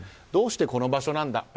どうしてこの場所なんだ。